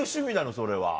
それは。